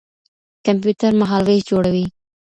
کمپيوټر مهالوېش جوړوي.